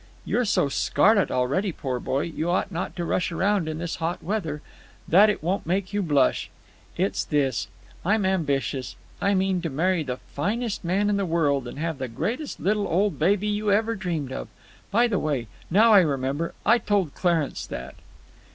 You're so scarlet already—poor boy, you ought not to rush around in this hot weather—that it won't make you blush. It's this. I'm ambitious. I mean to marry the finest man in the world and have the greatest little old baby you ever dreamed of. By the way, now I remember, I told Clarence that."